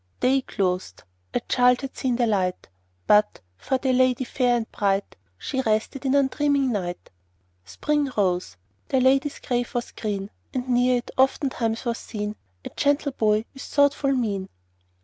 Day closed; a child had seen the light; But, for the lady fair and bright, She rested in undreaming night. Spring rose; the lady's grave was green; And near it, oftentimes, was seen A gentle boy with thoughtful mien.